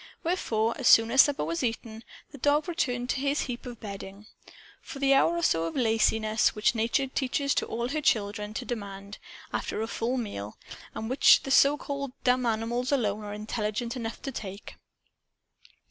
Wherefore, as soon as supper was eaten, the dog returned to his heap of bedding, for the hour or so of laziness which Nature teaches all her children to demand, after a full meal, and which the so called "dumb" animals alone are intelligent enough to take.